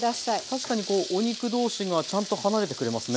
確かにこうお肉同士がちゃんと離れてくれますね。